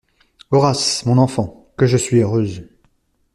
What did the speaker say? Horace !… mon enfant !… que je suis heureuse !